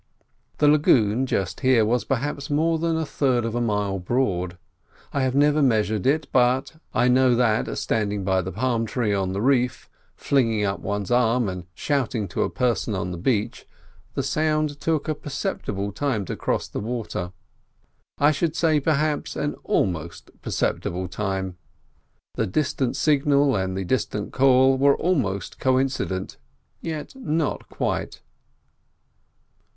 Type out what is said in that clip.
The lagoon, just here, was perhaps more than a third of a mile broad. I have never measured it, but I know that, standing by the palm tree on the reef, flinging up one's arm and shouting to a person on the beach, the sound took a perceptible time to cross the water: I should say, perhaps, an almost perceptible time. The distant signal and the distant call were almost coincident, yet not quite.